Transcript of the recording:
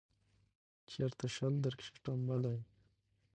چیرته شل درکښې ټومبلی